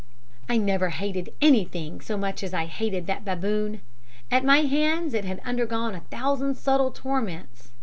"I never hated anything so much as I had hated that baboon. At my hands it had undergone a thousand subtle torments.